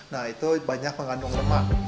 nah itu banyak mengandung lemak